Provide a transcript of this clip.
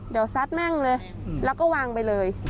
เดี๋ยวซัดแม่งเลยแล้วก็วางไปเลย